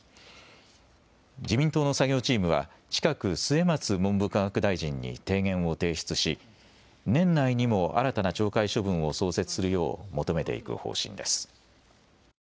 自民党の作業チームは近く末松文部科学大臣に提言を提出し、年内にも新たな懲戒処分を創設するよう求めていく方針です。